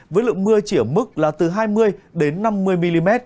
với lượng mưa chỉ ở mức là từ hai mươi năm mươi mm